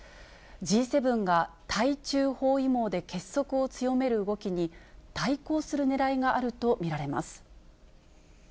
Ｇ７が対中包囲網で結束を強める動きに対抗するねらいがあると見られます。